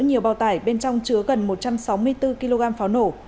nhiều bào tải bên trong chứa gần một trăm sáu mươi bốn kg pháo nổ